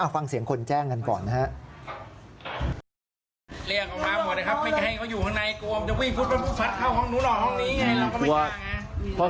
ฟังเสียงคนแจ้งกันก่อนนะครับ